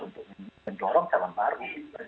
untuk mendorong calon baru